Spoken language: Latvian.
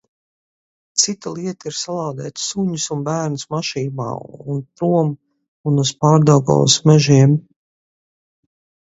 Cita lieta ir salādēt suņus un bērnus mašīnā un prom un uz Pārdaugavas mežiem.